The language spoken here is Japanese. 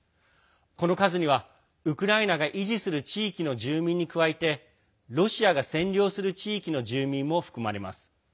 この数にはウクライナが維持する地域の住民に加えてロシアが占領する地域の住民も含まれます。